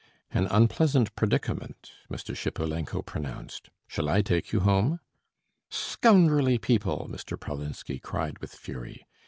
"An unpleasant predicament," Mr. Shipulenko pronounced. "Shall I take you home?" "Scoundrelly people!" Mr. Pralinsky cried with fury.